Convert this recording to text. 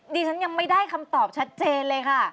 ดิฉันยังไม่ได้คำตอบชัดเจนเลยค่ะ